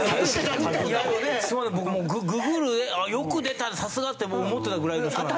すいません僕もう「ググる」で「よく出たさすが！」って思ってたぐらいの人なので。